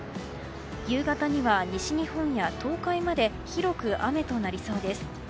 夕方には西日本や東海まで広く雨となりそうです。